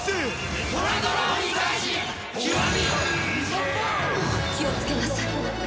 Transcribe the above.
気をつけなさい。